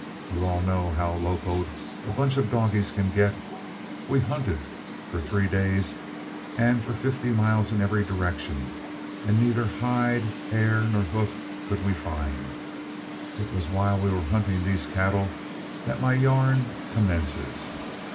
You all know how locoed a bunch of dogies can get we hunted for three days and for fifty miles in every direction, and neither hide, hair, nor hoof could we find. It was while we were hunting these cattle that my yarn commences.